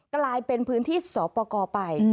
กลายเป็นพื้นที่สอปกรไป